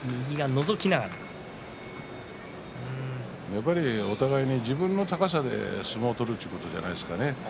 やっぱりお互いに自分の高さで相撲を取るということではないでしょうかね。